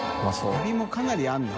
エビもかなりあるな。